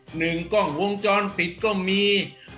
หนึ่งกล้องวงจรปิดก็มี